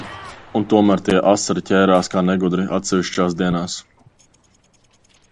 Un tomēr tie asari ķērās kā negudri, atsevišķās dienās.